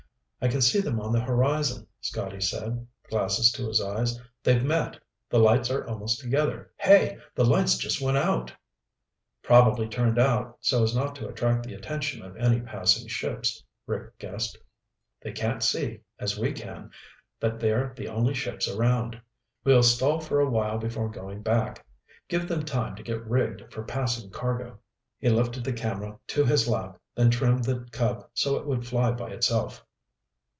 "I can see them on the horizon," Scotty said, glasses to his eyes. "They've met. The lights are almost together. Hey! The lights just went out!" "Probably turned out so as not to attract the attention of any passing ships," Rick guessed. "They can't see, as we can, that they're the only ships around. We'll stall for a while before going back. Give them time to get rigged for passing cargo." He lifted the camera to his lap, then trimmed the Cub so it would fly by itself.